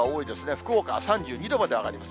福岡は３２度まで上がります。